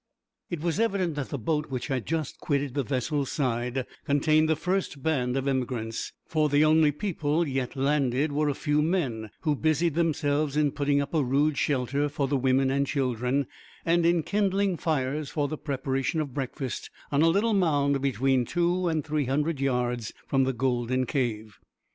It was evident that the boat which had just quitted the vessel's side contained the first band of emigrants, for the only people yet landed were a few men, who busied themselves in putting up a rude shelter for the women and children, and in kindling fires for the preparation of breakfast on a little mound between two and three hundred yards from the golden cave.